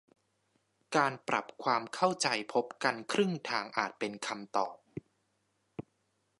การปรับความเข้าใจพบกันครึ่งทางอาจเป็นคำตอบ